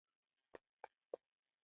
هندوکش د انرژۍ سکتور یوه برخه ده.